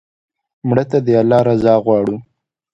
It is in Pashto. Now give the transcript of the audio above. مړه ته د الله رضا غواړو